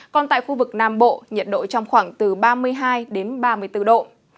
còn tại khu vực nam bộ nhiệt độ trong khoảng từ ba mươi hai đến ba mươi bốn độ